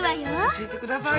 教えてください。